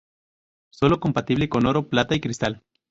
Sólo compatible con Oro, Plata y Cristal.